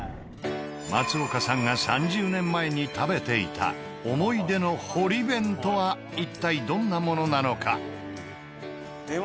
松岡さんが３０年前に食べていた思い出の堀弁とは一体どんなものなのか？